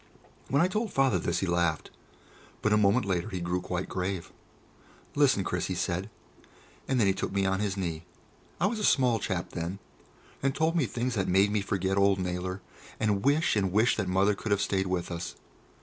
When I told Father this he laughed, but a moment later he grew quite grave. "Listen, Chris," he said. And then he took me on his knee I was a small chap then and told me things that made me forget old Naylor, and wish and wish that Mother could have stayed with us.